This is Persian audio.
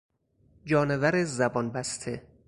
جانور زبان بسته